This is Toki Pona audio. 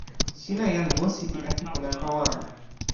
sina jan musi pi epiku nanpa wan.